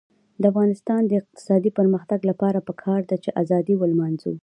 د افغانستان د اقتصادي پرمختګ لپاره پکار ده چې ازادي ولمانځو.